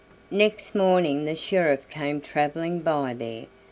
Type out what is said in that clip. Next morning the sheriff came traveling by there.